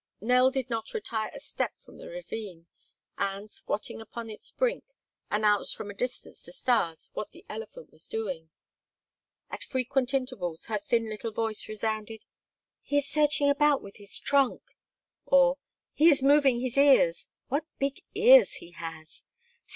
Nell did not retire a step from the ravine and, squatting upon its brink, announced from a distance to Stas what the elephant was doing. At frequent intervals her thin little voice resounded: "He is searching about with his trunk!" Or: "He is moving his ears. What big ears he has!"